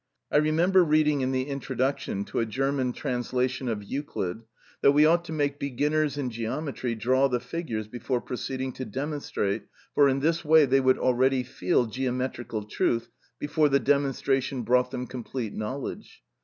I remember reading in the introduction to a German translation of Euclid, that we ought to make beginners in geometry draw the figures before proceeding to demonstrate, for in this way they would already feel geometrical truth before the demonstration brought them complete knowledge.